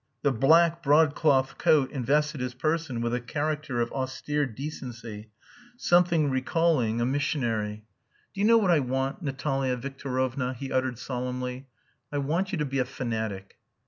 The black broadcloth coat invested his person with a character of austere decency something recalling a missionary. "Do you know what I want, Natalia Victorovna?" he uttered solemnly. "I want you to be a fanatic."